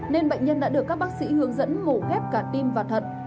nên bệnh nhân đã được các bác sĩ hướng dẫn mổ ghép cả tim và thận